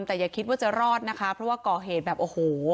แต่อย่าคิดว่าจะรอดนะคะเพราะว่าก่อเหตุแบบโอ้โห